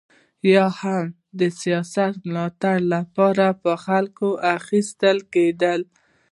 یا هم د سیاسي ملاتړ لپاره پرې خلک اخیستل کېدل.